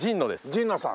神野さん？